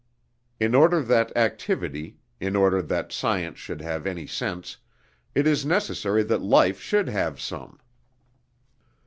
In order that activity, in order that science should have any sense, it is necessary that life should have some.